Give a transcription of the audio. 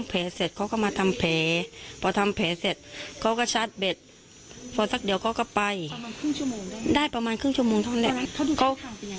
เขาดูทางทางเป็นยังไงตอนนั้น